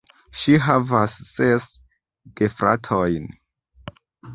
Ŝi havas ses gefratojn.